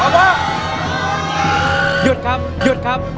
เบาเว่